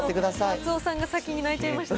松尾さんが先に泣いちゃいました。